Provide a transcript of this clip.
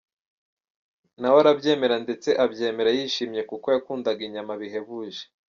Nawe arabyemera ndetse abyemera yishimye kuko yakundaga inyama bihebuje.